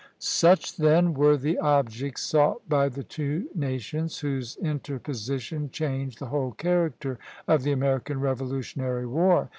Such, then, were the objects sought by the two nations, whose interposition changed the whole character of the American Revolutionary War.